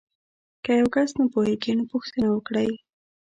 که یو کس نه پوهیږي نو پوښتنه وکړئ.